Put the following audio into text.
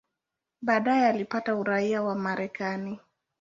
Baadaye alipata uraia wa Marekani.